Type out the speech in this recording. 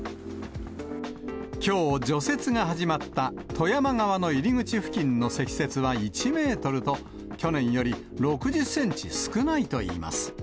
きょう、除雪が始まった富山側の入り口付近の積雪は１メートルと、去年より６０センチ少ないといいます。